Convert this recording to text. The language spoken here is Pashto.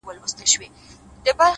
د زنده گۍ ياري كړم ـ